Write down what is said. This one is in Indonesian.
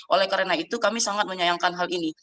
oleh karena itu kami sangat menyayangkan hal ini